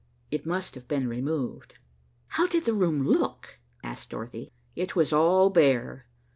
It must have been removed." "How did the room look?" asked Dorothy. "It was all bare.